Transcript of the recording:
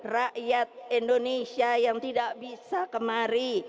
rakyat indonesia yang tidak bisa kemari